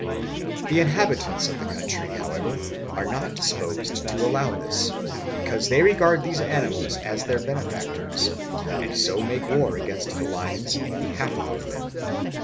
The inhabitants of the country, however, are not disposed to allow this, because they regard these animals as their benefactors, and so make war against the lions in behalf of them.